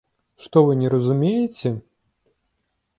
Што вы не разумееце?